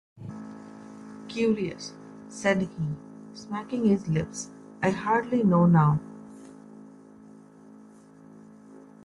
‘Curious,’ said he, smacking his lips, ‘I hardly know, now.